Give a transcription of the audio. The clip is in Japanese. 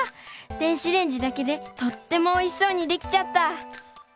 電子レンジだけでとってもおいしそうにできちゃった！